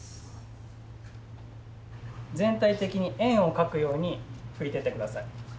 全体的に円を描くように拭いてって下さい。